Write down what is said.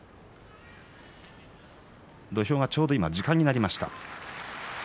土俵がちょうど今時間になりました。